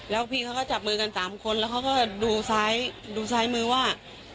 แล้วพี่เขาก็จับมือกัน๓คนแล้วเขาก็ดูซ้ายดูซ้ายมือว่า